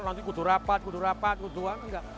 nanti kutu rapat kutu rapat kutu apa